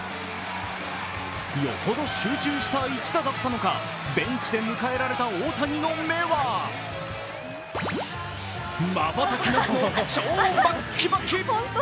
よほど集中した一打だったのか、ベンチで迎えられた大谷の目はまばたきなしの超バッキバキ。